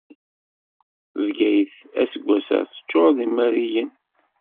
Bgayet, aseggas-a teččur d imerriyen.